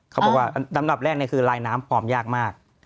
เขาบอกว่าลำดับแรกคือลายน้ำปลอมยากมาก